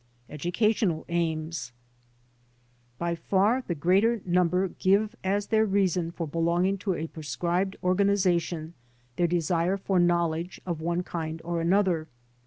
Educatioiial Aims By far the greater number give as their reason for belonging to a proscribed organization' their desire for knowledge of one kind or another.